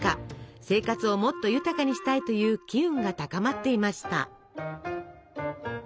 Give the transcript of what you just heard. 生活をもっと豊かにしたいという機運が高まっていました。